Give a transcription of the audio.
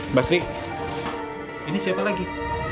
mbak sri ini siapa lagi